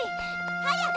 早く！